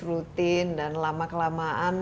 rutin dan lama kelamaan